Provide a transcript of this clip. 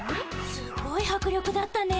すごいはく力だったね。